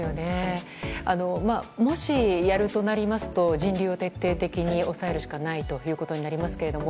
もし、やるとなりますと人流を徹底的に抑えるしかないということになりますが。